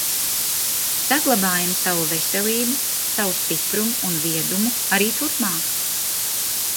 Saglabājam savu veselību, savu stiprumu un viedumu arī turpmāk...